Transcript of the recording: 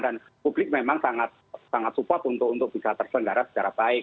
dan publik memang sangat sangat supat untuk bisa terselenggara secara baik